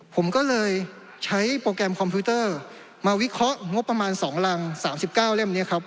ผมก็เลยใช้โปรแกรมคอมพิวเตอร์มาวิเคราะห์งบประมาณ๒รัง๓๙เล่มนี้ครับ